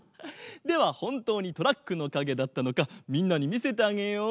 ではほんとうにトラックのかげだったのかみんなにみせてあげよう。